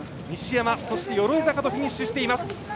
西山、そして鎧坂とフィニッシュしています。